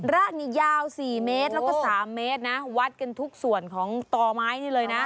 ระนี่ยาว๔เมตรแล้วก็๓เมตรนะวัดกันทุกส่วนของต่อไม้นี่เลยนะ